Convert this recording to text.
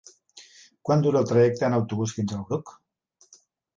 Quant dura el trajecte en autobús fins al Bruc?